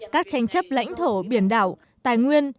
các tranh chấp lãnh thổ biển đảo tài nguyên